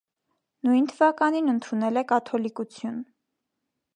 Նույն թվականին ընդունել է կաթոլիկություն։